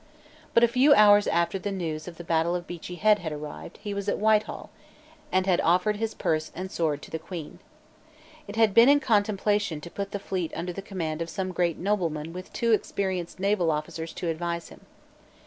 But a few hours after the news of the Battle of Beachy Head had arrived, he was at Whitehall, and had offered his purse and sword to the Queen. It had been in contemplation to put the fleet under the command of some great nobleman with two experienced naval officers to advise him.